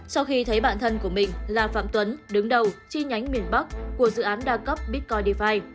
sau khi thấy bạn thân của mình là phạm tuấn đứng đầu chi nhánh miền bắc của dự án đa cấp bitcoinify